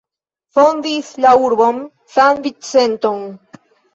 Fondis la urbon San-Vicenton.